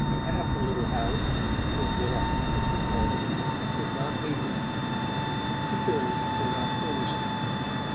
Half the little house, or 'villa' as we called it, was not papered, two thirds were not furnished.